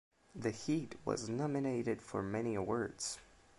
"The Heat" was nominated for many awards.